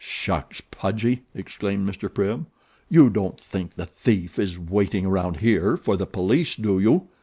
"Shucks, Pudgy!" exclaimed Mr. Prim. "You don't think the thief is waiting around here for the police, do you?"